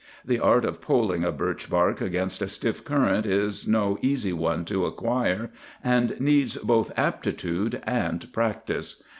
The art of poling a birch bark against a stiff current is no easy one to acquire, and needs both aptitude and practice.